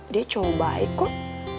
dia cowok baik kok